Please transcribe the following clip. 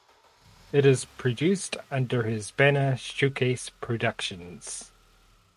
It is produced under his banner Showcase Productions.